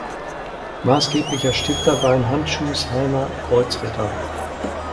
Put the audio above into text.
Maßgeblicher Stifter war ein Handschuhsheimer Kreuzritter.